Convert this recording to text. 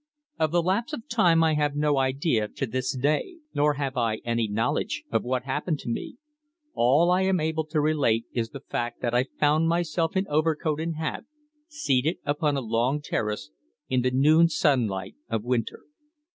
Of the lapse of time I have no idea to this day; nor have I any knowledge of what happened to me. All I am able to relate is the fact that I found myself in overcoat and hat seated upon a long terrace in the noon sunlight of winter.